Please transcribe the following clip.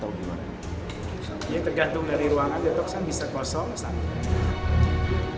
tergantung dari ruangan detoksnya bisa kosong atau tidak